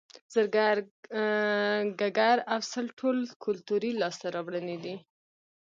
زرګر ګګر او سل ټول کولتوري لاسته راوړنې دي